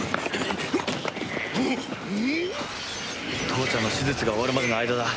父ちゃんの手術が終わるまでの間だ。